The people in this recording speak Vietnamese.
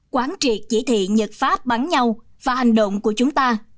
quán triệt chỉ thị nhật pháp bắn nhau và hành động của chúng ta